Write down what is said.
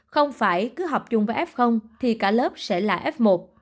không phải cứ học chung với f thì cả lớp sẽ là f một